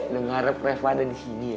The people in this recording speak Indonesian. lu ngarep reva ada di sini ya